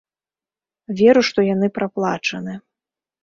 Веру, што яны праплачаны.